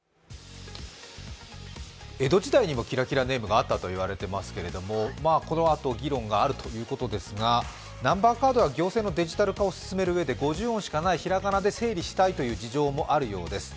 江戸時代にもキラキラネームがあったと言われていますがこのあと議論があるということですが、ナンバーカードや行政のデジタル化を進めるうえで五十音しかない平仮名で整理したいという事情もあるようです。